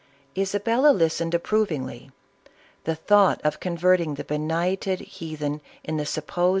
Isabella listened approvingly. The thought of con verting the benighted heathen in the suppose!